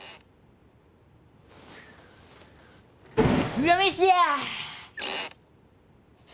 うらめしや！